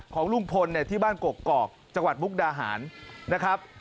ของลุงพลเนี่ยที่บ้านกกอกจังหวัดมุกดาหารนะครับ